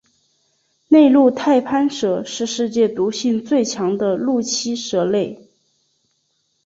内陆太攀蛇是世界毒性最强的陆栖蛇类。